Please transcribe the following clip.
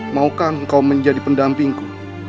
maukah engkau menjadi pendampingku